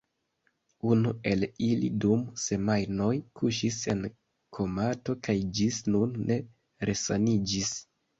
Unu el ili dum semajnoj kuŝis en komato kaj ĝis nun ne resaniĝis.